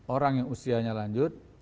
orang yang usianya lanjut